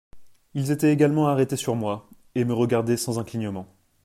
Ils étaient également arrêtés sur moi, et me regardaient sans un clignement.